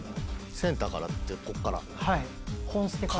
センターからってこっから？